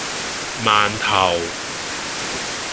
饅頭